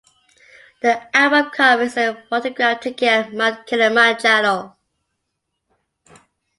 The album cover is a photograph taken at Mount Kilimanjaro.